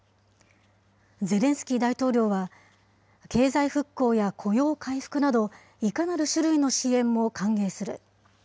ゼレンスキー大統領は経済復興や雇用回復など、いかなる種類の支援も歓迎する。